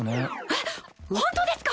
えっホントですか！？